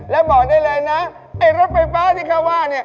แล้วบอกได้เลยนะไอ้รถไฟฟ้าที่เขาว่าเนี่ย